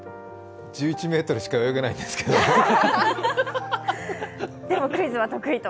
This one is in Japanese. １１ｍしか泳げないんですけどでもクイズは得意と。